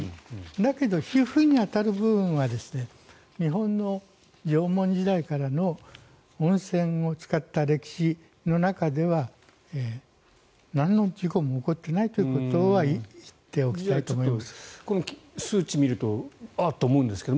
だけど皮膚に当たる分には日本の縄文時代からの温泉を使った歴史の中ではなんの事故も起こってないということは言っておきたいと思います。